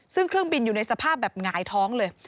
ซึ่งเครื่องบินอยู่ในสภาพแบบหงายท้องเลย